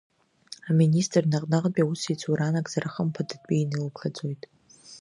Аминистр наҟ-наҟтәи аусеицура анагӡара хымԥадатәины илыԥхьаӡоит.